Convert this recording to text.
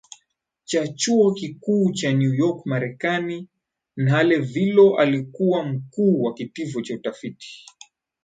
cha chuo kikuu cha New York MarekaniNhalevilo alikuwa mkuu wa kitivo cha utafiti